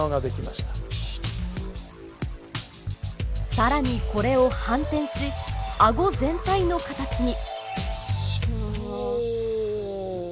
更にこれを反転しあご全体の形に。